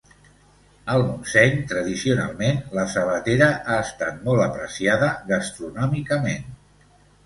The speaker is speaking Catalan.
Al Montseny, tradicionalment, la sabatera ha estat molt apreciada gastronòmicament.